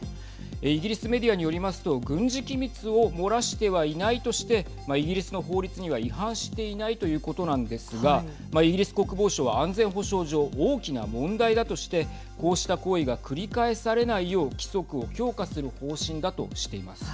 イギリスメディアによりますと軍事機密を漏らしてはいないとしてイギリスの法律には違反していないということなんですがイギリス国防省は安全保障上大きな問題だとしてこうした行為が繰り返されないよう規則を強化する方針だとしています。